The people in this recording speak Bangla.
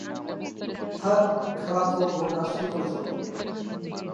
তার খালাতো বোন রাজশাহী কলেজে পড়ে।